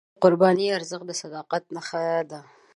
د قربانۍ ارزښت د صداقت نښه ده.